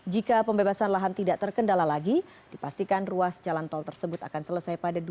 jika pembebasan lahan tidak terkendala lagi dipastikan ruas jalan tol tersebut akan selesai pada dua ribu dua puluh